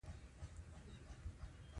مه پرېږده چې مړ شې پوه شوې!.